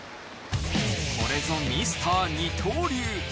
これぞミスター二刀流。